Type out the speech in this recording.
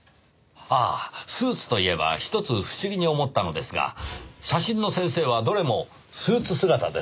ああスーツといえばひとつ不思議に思ったのですが写真の先生はどれもスーツ姿です。